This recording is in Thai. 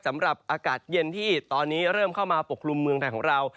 สำหรับอากาศเย็นที่ตอนนี้เริ่มเข้ามาปกคลุมเมืองไทยของเรา